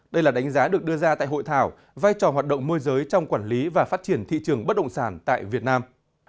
đây là đánh giá được đưa ra tại hội thảo vai trò hoạt động môi giới trong quản lý và phát triển thị trường bất động sản tại việt nam